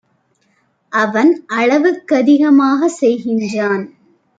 அவன் அளவுக்கதிகமாக செய்கின்றான்.